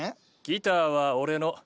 ギターは俺の。